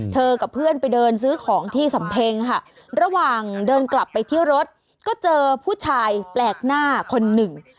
กับเพื่อนไปเดินซื้อของที่สำเพ็งค่ะระหว่างเดินกลับไปที่รถก็เจอผู้ชายแปลกหน้าคนหนึ่ง